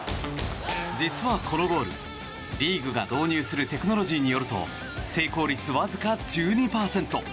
実はこのゴール、リーグが導入するテクノロジーによると成功率わずか１２％。